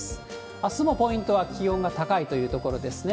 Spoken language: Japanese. あすもポイントは気温が高いというところですね。